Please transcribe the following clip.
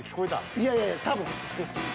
いやいやいや多分。